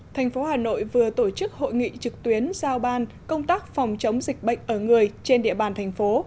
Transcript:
thành phố hà nội vừa tổ chức hội nghị trực tuyến giao ban công tác phòng chống dịch bệnh ở người trên địa bàn thành phố